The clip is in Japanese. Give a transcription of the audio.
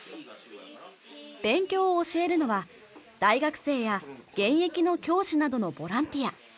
勉強を教えるのは大学生や現役の教師などのボランティア。